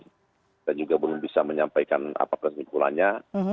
kita juga belum bisa menyampaikan apa kesimpulannya